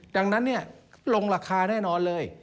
ดังนั้นลงราคาแน่นอนเลย